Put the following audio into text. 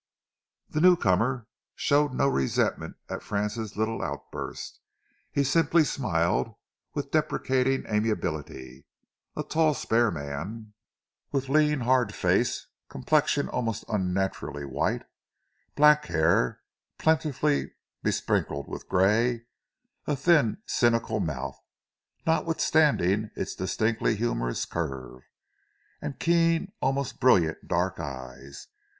The newcomer showed no resentment at Francis' little outburst. He simply smiled with deprecating amiability a tall, spare man, with lean, hard face, complexion almost unnaturally white; black hair, plentifully besprinkled with grey; a thin, cynical mouth, notwithstanding its distinctly humourous curve, and keen, almost brilliant dark eyes.